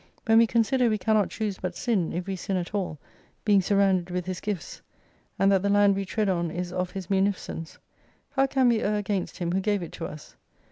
When we consider we cannot choose but sin, if we sin at all, being surrounded with His gifts ; and that the land we tread on is of His munificence : how can we err against Him who gave it to us